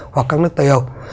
hoặc các nước tây âu